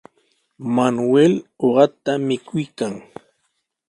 Manuel uqata mikuykan.